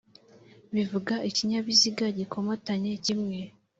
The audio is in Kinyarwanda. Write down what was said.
bivuga ikinyabiziga gikomatanye kimwe